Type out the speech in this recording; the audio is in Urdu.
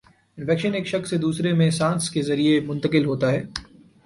انفیکشن ایک شخص سے دوسرے میں سانس کے ذریعے منتقل ہوتا ہے